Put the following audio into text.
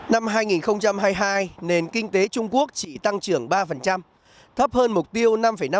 năm hai nghìn hai mươi hai nền kinh tế trung quốc chỉ tăng trưởng ba thấp hơn mục tiêu năm năm